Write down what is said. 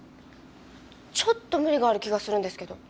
ちょっと無理がある気がするんですけど。